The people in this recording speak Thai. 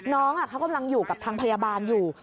น้องเขากำลังอยู่กับทางพยาบาลอยู่